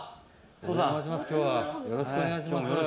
宗さん、よろしくお願いします。